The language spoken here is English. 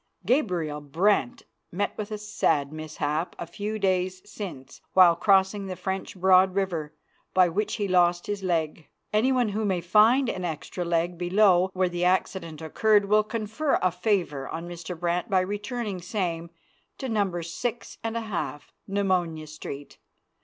Gabriel Brant met with a sad mishap a few days since while crossing the French Broad river, by which he lost his leg. Any one who may find an extra leg below where the accident occurred will confer a favor on Mr. Brant by returning same to No. 06 1/2 Pneumonia street.